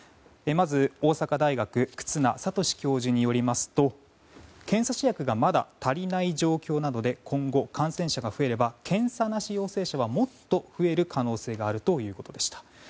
まず、大阪大学忽那賢志教授によりますと検査試薬がまだ足りない状況なので今後、感染者が増えれば検査なし陽性者は、もっと増える可能性があるということでした。